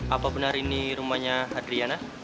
apa benar ini rumahnya adriana